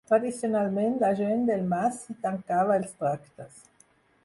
Tradicionalment, la gent del mas hi tancava els tractes.